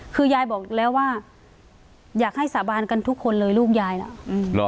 คือยายบอกแล้วว่าอยากให้สาบานกันทุกคนเลยลูกยายล่ะ